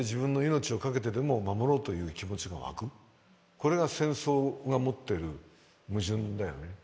これが戦争が持ってる矛盾だよね。